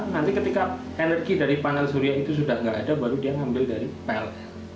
nanti ketika energi dari panel surya itu sudah tidak ada baru dia ngambil dari plt